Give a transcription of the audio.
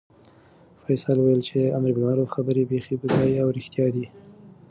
فیصل وویل چې د امربالمعروف خبرې بیخي په ځای او رښتیا دي.